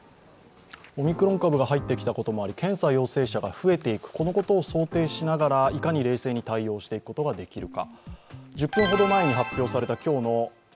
オミクロン株が入ってきたこともあり、検査陽性者が増えていく、このことを想定しながら、いかに冷静に対応していくことができるか。